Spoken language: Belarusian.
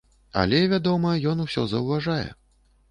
Але, вядома, ён усё заўважае.